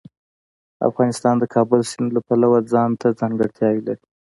افغانستان د کابل سیند له پلوه ځانته ځانګړتیاوې لري.